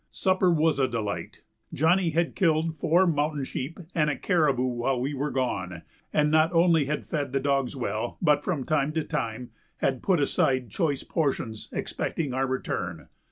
Supper was a delight. Johnny had killed four mountain sheep and a caribou while we were gone, and not only had fed the dogs well, but from time to time had put aside choice portions expecting our return.